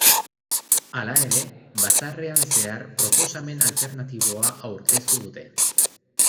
Hala ere, batzarrean zehar proposamen alternatiboa aurkeztu dute.